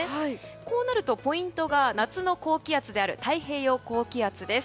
こうなるとポイントが夏の高気圧である太平洋高気圧です。